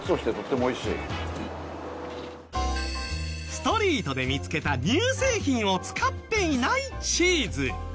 ストリートで見つけた乳製品を使っていないチーズ。